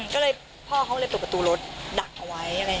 ก็เลยพ่อเขาตกประตูรถดักเอาไว้